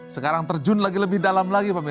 sekarang terjun lagi lebih dalam lagi pemirsa